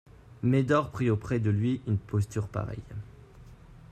Médor prit auprès de lui une posture pareille.